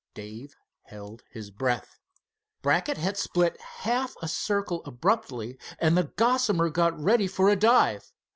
Dave held his breath. Brackett had split half a circle abruptly, and the Gossamer got ready for a dive.